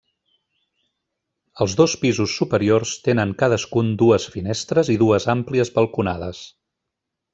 Els dos pisos superiors tenen cadascun dues finestres i dues àmplies balconades.